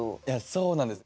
そうなんです。